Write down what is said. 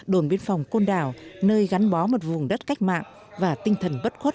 đồn biên phòng côn đảo nơi gắn bó một vùng đất cách mạng và tinh thần bất khuất